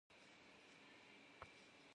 Ş'ıgups 'Ufexem xhendırkhuakhue şopseu.